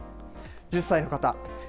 １０歳の方。